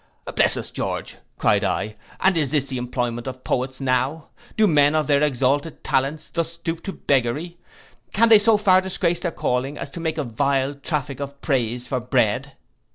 'Bless us, George,' cried I, 'and is this the employment of poets now! Do men of their exalted talents thus stoop to beggary! Can they so far disgrace their calling, as to make a vile traffic of praise for bread?